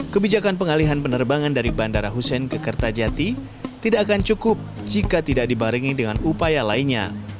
kebijakan pengalihan penerbangan dari bandara hussein ke kertajati tidak akan cukup jika tidak dibarengi dengan upaya lainnya